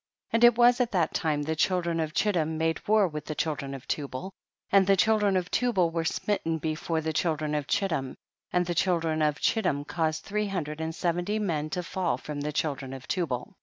3. And it was at that time the children of Chittim made war with the children of Tubal, and the chil dren of Tubal were smitten before the children of Chittim, and the chil dren of Chitiira caused three hundred and seventy men to fall from the chil dren of Tubal.